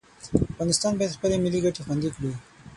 افغانستان باید خپلې ملي ګټې خوندي کړي.